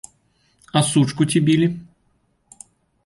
А сучку ці білі?